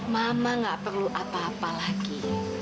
mama gak perlu apa apa lagi